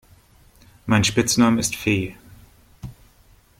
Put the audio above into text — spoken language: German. Mein Spitzname ist Fee.